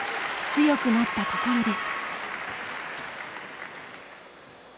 強くなった心で。